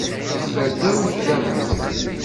Yeffer ddaw tdabut.